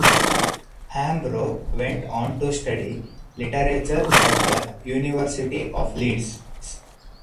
Hambro went on to study literature at the University of Leeds.